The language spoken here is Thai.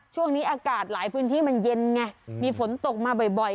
ช่วงนี้อากาศหลายพื้นที่มันเย็นไงมีฝนตกมาบ่อย